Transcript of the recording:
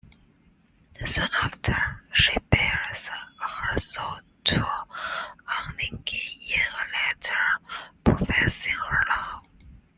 Soon after, she bares her soul to Onegin in a letter professing her love.